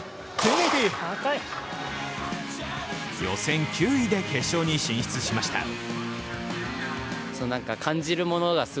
予選９位で決勝に進出しました。